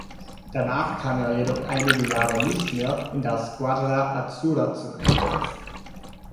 Danach kam er jedoch einige Jahre nicht mehr in der "Squadra Azzurra" zum Einsatz.